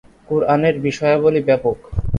কুরআনের বিষয়াবলি ব্যাপক।